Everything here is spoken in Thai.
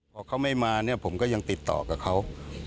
พอเขาไม่มาเนี่ยผมก็ยังติดต่อกับเขา